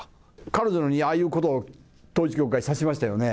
彼女にああいうことを統一教会はさせましたよね。